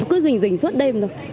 cứ rình rình suốt đêm thôi